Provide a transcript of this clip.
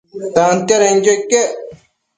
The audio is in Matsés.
Tantiadenquio iquec